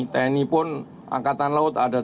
tni pun angkatan laut ada